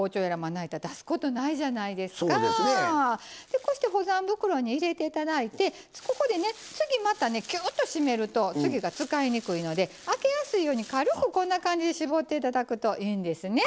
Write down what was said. でこうして保存袋に入れて頂いてここでね次またねキューッと閉めると次が使いにくいので開けやすいように軽くこんな感じで絞って頂くといいんですね。